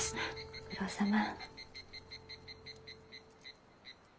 ご苦労さま。